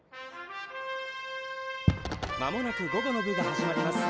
「まもなく午後の部が始まります。